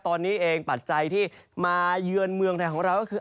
ตอนนี้เองปัจจัยที่มาเยือนเมืองไทยของเราก็คือ